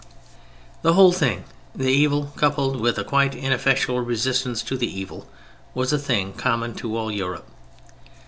The whole thing, the evil coupled with a quite ineffectual resistance to the evil, was a thing common to all Europe.